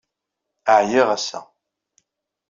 Ɛyiɣ, ass-a.